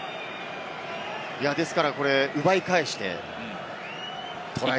ですから奪い返してトライ。